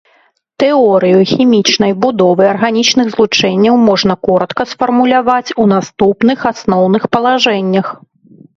Тэорыю хімічнай будовы арганічных злучэнняў можна коратка сфармуляваць у наступных асноўных палажэннях.